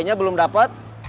hp nya belum dapet